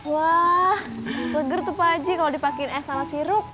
wah seger tuh pak aji kalo dipakein es sama sirup